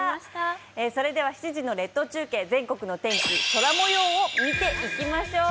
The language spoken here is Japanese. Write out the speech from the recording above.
それでは列島中継、全国の天気、空もようを見ていきましょう。